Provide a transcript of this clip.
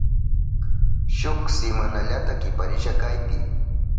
Shuk simanallata kiparisha kaypi.